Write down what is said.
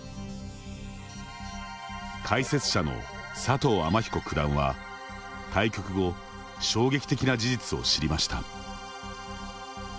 解説者の佐藤天彦九段は対局後衝撃的な事実を知りました。